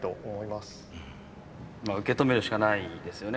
まあ受け止めるしかないですよね。